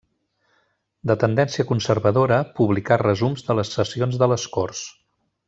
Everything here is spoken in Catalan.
De tendència conservadora, publicà resums de les sessions de les corts.